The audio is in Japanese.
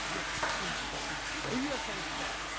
今私お湯屋さん行ったんだよ。